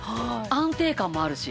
安定感もあるし。